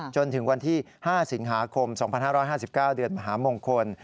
จนถึงวันที่๕สิงหาคม๒๕๕๙เดือนมหามงคล